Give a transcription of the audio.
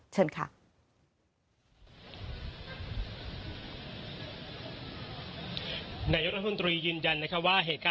เชิญค่ะ